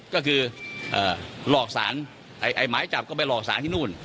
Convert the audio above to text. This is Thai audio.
ก็คือหลอกสารหมายจับก็ไปหลอกสารที่นู่น